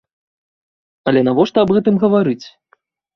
Але навошта аб гэтым гаварыць?